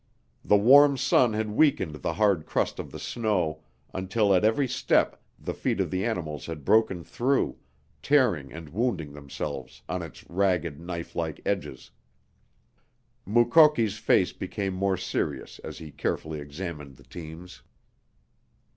The warm sun had weakened the hard crust of the snow until at every leap the feet of the animals had broken through, tearing and wounding themselves on its ragged, knife like edges. Mukoki's face became more serious as he carefully examined the teams.